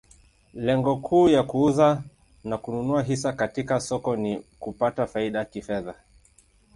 Lengo kuu ya kuuza na kununua hisa katika soko ni kupata faida kifedha.